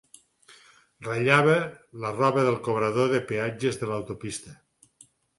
Ratllava la roba del cobrador de peatges de l'autopista.